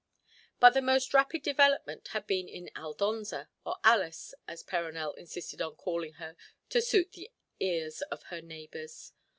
But the most rapid development had been in Aldonza, or Alice, as Perronel insisted on calling her to suit the ears of her neighbours.